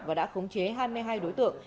và đã khống chế hai mươi hai đối tượng